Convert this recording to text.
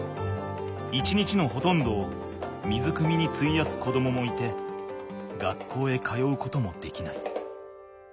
一日のほとんどを水くみについやす子どももいて学校へ通うこともできない。